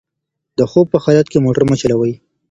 د خوب په حالت کې موټر مه چلوئ.